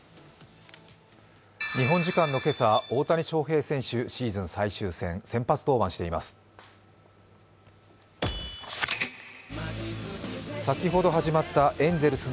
日本時間の今朝、大谷翔平選手、シーズン最終戦先発登板しています。